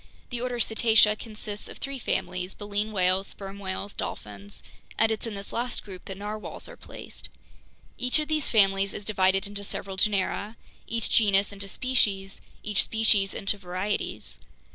The order Cetacea consists of three families, baleen whales, sperm whales, dolphins, and it's in this last group that narwhales are placed. Each of these families is divided into several genera, each genus into species, each species into varieties.